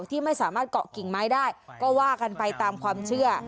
ที่ไม่สามารถเกาะกิ่งไม้ได้ก็ว่ากันไปตามความเชื่อ